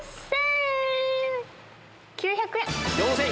４９００円。